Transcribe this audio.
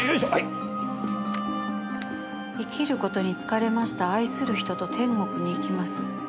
「生きることに疲れました愛する人と天国に行きます」